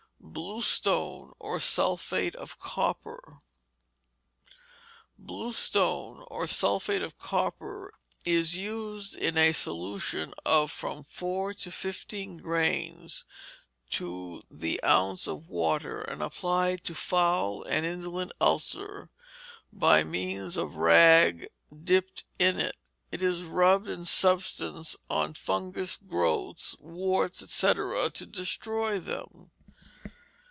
Bluestone, or Sulphate of Copper Bluestone, or Sulphate of Copper, is used in a solution of from four to fifteen grains to the ounce of water, and applied to foul and indolent ulcers, by means of rag dipped in it. It is rubbed in substance on fungous growths, warts, &c., to destroy them.